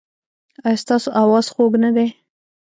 ایا ستاسو اواز خوږ نه دی؟